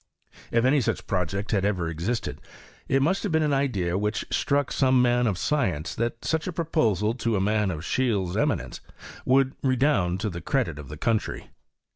If any such project i existed, it must have been an idea which struck some man of science that such a proposal to a i of Scheele's eminence would redound to the credit of the country.